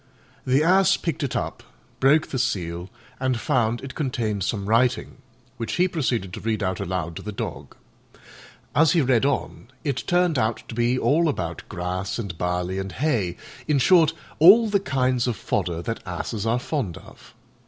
The Ass picked it up, broke the seal, and found it contained some writing, which he proceeded to read out aloud to the Dog. As he read on it turned out to be all about grass and barley and hay in short, all the kinds of fodder that Asses are fond of.